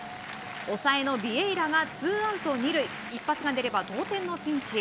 抑えのビエイラがツーアウト２塁一発が出れば、同点のピンチ。